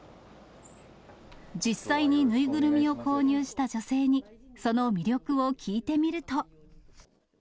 実際に縫いぐるみを購入した女性に、その魅力を聞いてみると。